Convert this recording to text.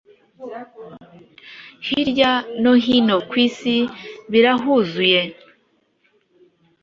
hirya no hino kwisi birahuzuye